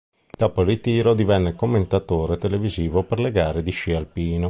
Dopo il ritiro divenne commentatore televisivo per le gare di sci alpino.